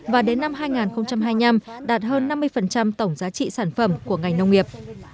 và đến năm hai nghìn hai mươi năm đạt hơn năm mươi tổng giá trị sản phẩm của ngành nông nghiệp